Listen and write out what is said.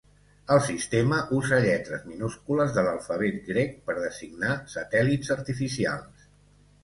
El sistema usa lletres minúscules de l'alfabet grec per designar satèl·lits artificials.